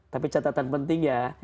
tapi catatan penting ya